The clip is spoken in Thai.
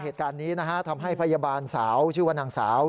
ทำให้พยาบาลสาวชื่อว่านางสาว